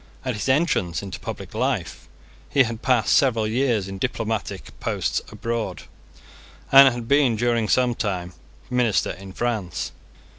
At his entrance into public life, he had passed several years in diplomatic posts abroad, and had been, during some time, minister in France.